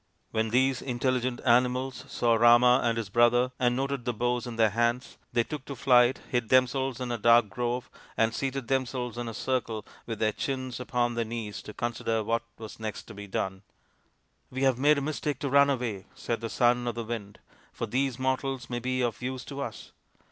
When these intelligent animals saw Rama and his brother and noted the bows in their hands, they took to flight, hid themselves in a dark grove, and seated themselves in a circle with their chins upon their knees to consider what was next to be done. 28 THE INDIAN STORY BOOK " We have made a mistake to run away/' said the Son of the Wind, " for these mortals may be of use to us."